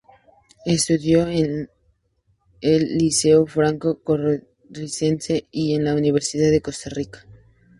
Estudió en el Liceo Franco Costarricense y en la Universidad de Costa Rica.